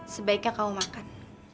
sebaiknya kamu makan